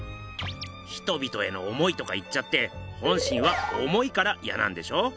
「人々への思い」とか言っちゃって本心は重いからイヤなんでしょ？